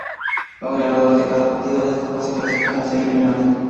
Los ganadores de cada partido de esta fase clasifican a semifinales.